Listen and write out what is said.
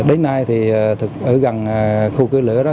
đến nay thì ở gần khu cưới lửa đó